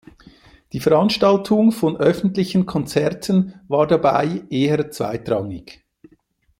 Die Veranstaltung von öffentlichen Konzerten war dabei eher zweitrangig.